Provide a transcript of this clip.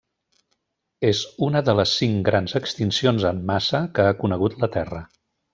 És una de les cinc grans extincions en massa que ha conegut la Terra.